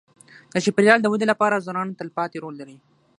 د چاپېریال د ودې لپاره ځوانان تلپاتې رول لري.